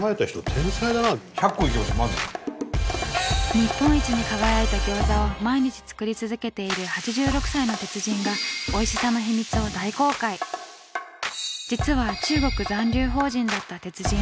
日本一に輝いた餃子を毎日作り続けている８６歳の鉄人が実は中国残留邦人だった鉄人。